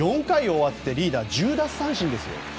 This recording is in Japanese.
４回終わってリーダー１０奪三振です。